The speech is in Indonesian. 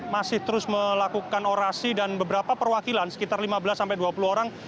masih terus melakukan orasi dan beberapa perwakilan sekitar lima belas sampai dua puluh orang